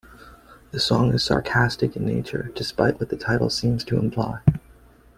The song is sarcastic in nature despite what its title seems to imply.